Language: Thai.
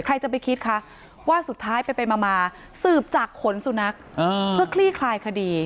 ใครจะไปคิดคะว่าสุดท้ายไปมาสืบจากขนสุนัขเพื่อคลี่คลายคดี